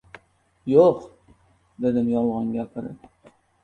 — Yo‘q, — dedim yolg‘on gapirib.